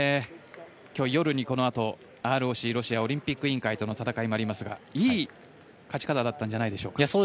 今日夜にこのあとＲＯＣ・ロシアオリンピック委員会との戦いもありますがいい勝ち方だったんじゃないでしょうか。